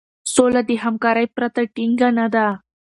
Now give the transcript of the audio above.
سوله د همکارۍ پرته ټينګه نه ده.